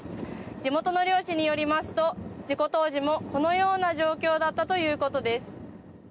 地元の漁師によりますと事故当時も、このような状況だったということです。